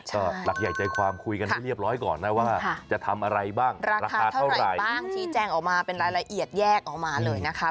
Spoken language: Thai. ก็หลักใหญ่ใจความคุยกันให้เรียบร้อยก่อนนะว่าจะทำอะไรบ้างราคาเท่าไหร่บ้างชี้แจ้งออกมาเป็นรายละเอียดแยกออกมาเลยนะคะ